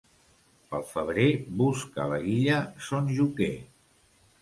Pel febrer busca la guilla son joquer.